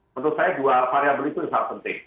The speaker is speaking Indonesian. menurut saya dua variabel itu yang sangat penting